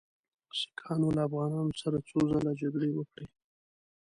سیکهانو له افغانانو سره څو ځله جګړې وکړې.